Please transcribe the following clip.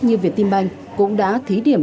như việt tim banh cũng đã thí điểm